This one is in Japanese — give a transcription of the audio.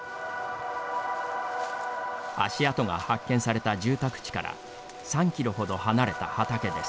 足跡が発見された住宅地から３キロほど離れた畑です。